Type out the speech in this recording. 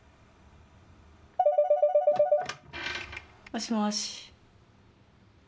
もしもし？